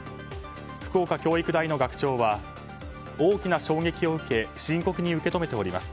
福岡教育大の学長は大きな衝撃を受け深刻に受け止めております。